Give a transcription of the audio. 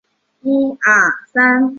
想亲自照顾子女等原因